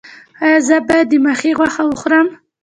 ایا زه باید د ماهي غوښه وخورم؟